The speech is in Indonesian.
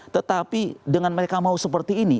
tetapi dengan mereka mau seperti ini